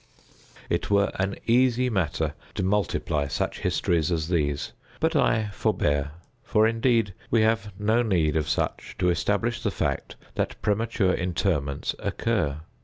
It were an easy matter to multiply such histories as these—but I forbear—for, indeed, we have no need of such to establish the fact that premature interments occur.